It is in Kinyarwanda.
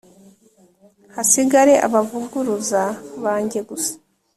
hasigare abavuguruza banjye gusa